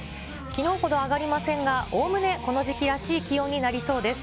きのうほど上がりませんが、おおむねこの時期らしい気温になりそうです。